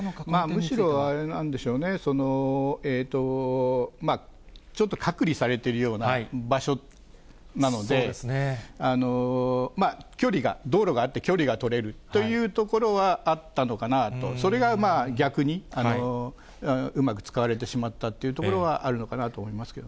むしろ、あれなんでしょうね、ちょっと隔離されてるような場所なので、距離が、道路があって、距離が取れるというところはあったのかなと、それが逆に、うまく使われてしまったっていうところはあるのかなと思いますけ